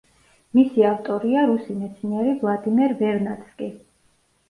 მისი ავტორია რუსი მეცნიერი ვლადიმერ ვერნადსკი.